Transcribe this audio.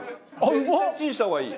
絶対チンした方がいい。